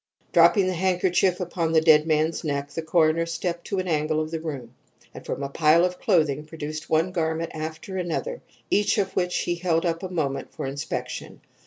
Dropping the handkerchief upon the dead man's neck, the coroner stepped to an angle of the room, and from a pile of clothing produced one garment after another, each of which he held up a moment for inspection.